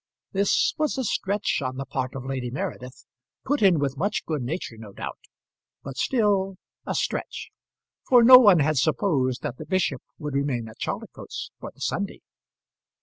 This was a stretch on the part of Lady Meredith put in with much good nature, no doubt; but still a stretch; for no one had supposed that the bishop would remain at Chaldicotes for the Sunday.